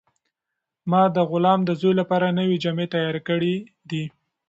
ما د غلام د زوی لپاره نوې جامې تیارې کړې دي.